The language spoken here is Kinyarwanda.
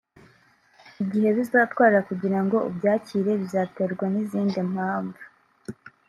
Igihe bizatwara kugira ngo ubyakire bizaterwa n’izindi mpamvu